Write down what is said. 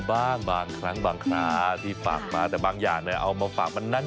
บ้างบางครั้งบางคราดีฝากมาแต่บางอย่างนะเอามาฝากมานาน